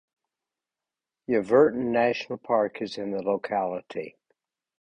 Yelverton National Park is in the locality.